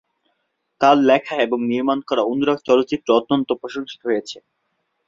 তার লেখা এবং নির্মাণ করা অনুরাগ চলচ্চিত্র অত্যন্ত প্রশংসিত হয়েছে।